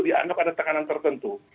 dianggap ada tekanan tertentu